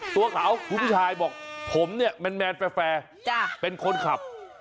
ตัวเขาคุณผู้ชายบอกผมเนี่ยแมนแฟร์เป็นคนขับ